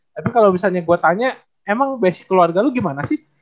tapi kalau misalnya gue tanya emang basic keluarga lo gimana sih